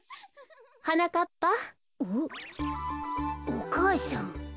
お母さん。